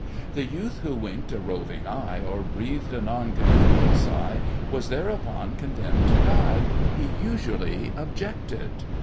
The youth who winked a roving eye, Or breathed a non connubial sigh, Was thereupon condemned to die— He usually objected.